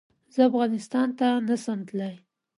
زه افغانستان ته نه سم تلی